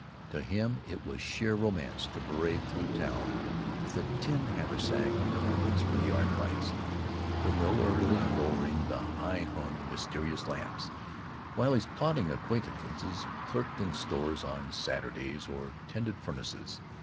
To him it was sheer romance to parade through town with a tin haversack of carbons for the arc lights, familiarly lowering the high hung mysterious lamps, while his plodding acquaintances "clerked" in stores on Saturdays, or tended furnaces.